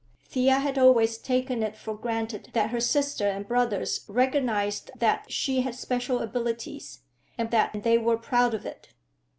Thea had always taken it for granted that her sister and brothers recognized that she had special abilities, and that they were proud of it.